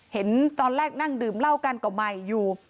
เห็นตอนแรกนั่งดื่มเหล้ากันก็ใหม่อยู่